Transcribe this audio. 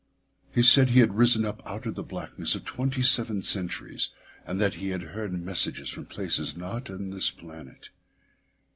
He said he had risen up out of the blackness of twenty seven centuries, and that he had heard messages from places not on this planet.